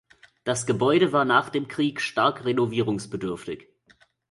Das Gebäude war nach dem Krieg stark renovierungsbedürftig.